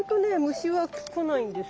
虫は来ないんですよね。